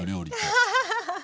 アハハハ！